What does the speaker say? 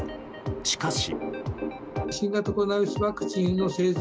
しかし。